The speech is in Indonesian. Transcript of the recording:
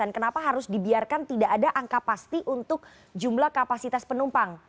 kenapa harus dibiarkan tidak ada angka pasti untuk jumlah kapasitas penumpang